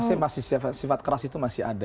iya mereka masih masih sifat keras itu masih ada